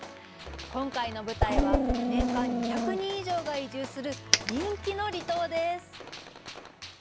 今回の舞台は年間２００人以上が移住する人気の離島です。